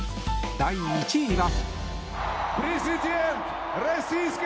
第１位は。